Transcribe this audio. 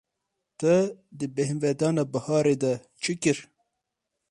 Te di bêhnvedana biharê de çi kir?